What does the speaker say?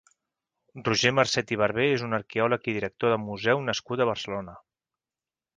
Roger Marcet i Barbé és un arqueòleg i director de museu nascut a Barcelona.